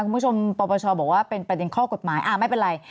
คุณผู้ชมปปชบอกว่าเป็นประเด็นข้อกฎหมายไม่เป็นไร